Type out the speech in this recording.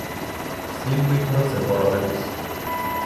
Слід би й про це порадитись.